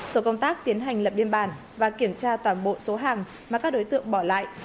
tổ công tác tiến hành lập biên bản và kiểm tra toàn bộ số hàng mà các đối tượng bỏ lại